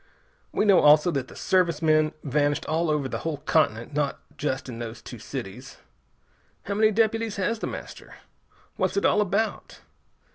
We know, also, that the Service men vanished all over the whole continent, not in just those two cities. How many deputies has The Master? What's it all about?